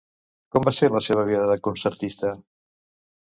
Com va ser la seva vida de concertista?